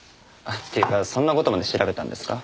っていうかそんな事まで調べたんですか？